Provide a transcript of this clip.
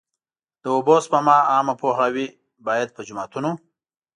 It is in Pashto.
د اوبو سپما عامه پوهاوی باید په جوماتونو.